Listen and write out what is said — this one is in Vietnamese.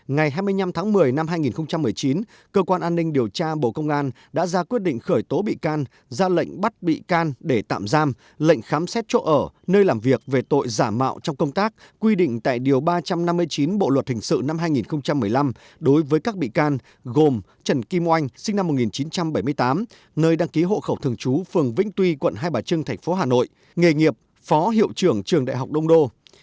ngày hai mươi năm tháng một mươi năm hai nghìn một mươi chín cơ quan an ninh điều tra bộ công an đã ra quyết định khởi tố bị can ra lệnh bắt bị can để tạm giam lệnh khám xét chỗ ở nơi làm việc về tội giả mạo trong công tác quy định tại điều ba trăm năm mươi chín bộ luật hình sự năm hai nghìn một mươi năm đối với các bị can gồm trần kim oanh sinh năm một nghìn chín trăm bảy mươi tám nơi đăng ký hộ khẩu thường trú phường vĩnh tuy quận hai bà trưng thành phố hà nội nghề nghiệp phó hiệu trưởng trường đại học đông đô